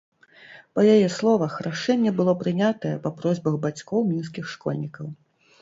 Па яе словах, рашэнне было прынятае па просьбах бацькоў мінскіх школьнікаў.